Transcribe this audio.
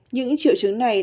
những triệu chứng này